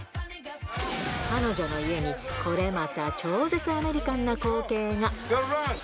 彼女に家にこれまた超絶アメリカンな光景が。